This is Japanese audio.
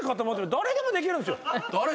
誰でもできるんですよ。